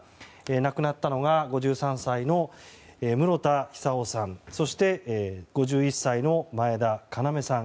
亡くなったのが５３歳の室田久生さんそして５１歳の前田要さん。